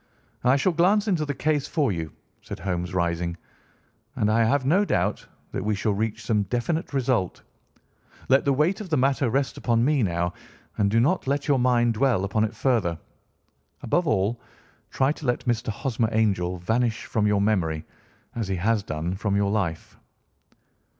"I shall glance into the case for you," said Holmes, rising, "and I have no doubt that we shall reach some definite result. Let the weight of the matter rest upon me now, and do not let your mind dwell upon it further. Above all, try to let Mr. Hosmer Angel vanish from your memory, as he has done from your life."